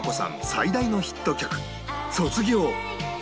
最大のヒット曲『卒業』